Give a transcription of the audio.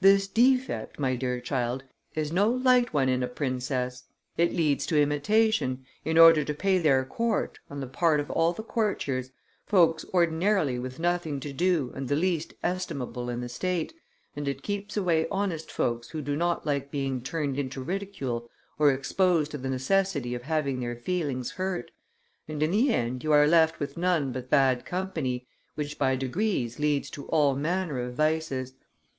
This defect, my dear child, is no light one in a princess; it leads to imitation, in order to pay their court, on the part of all the courtiers, folks ordinarily with nothing to do and the least estimable in the state, and it keeps away honest folks who do not like being turned into ridicule or exposed to the necessity of having their feelings hurt, and in the end you are left with none but bad company, which by degrees leads to all manner of vices.